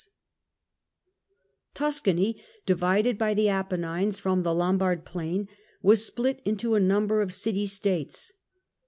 Tiiscau Tuscany, divided bv the Apennines from the Lombard Towns ..." plam, was split up mto a number of city states.